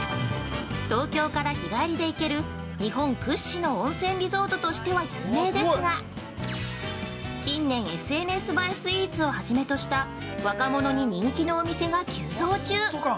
東京から日帰りで行ける日本屈指の温泉リゾートとしては有名ですが近年ＳＮＳ映えスイーツをはじめとした若者に人気のお店が急増中。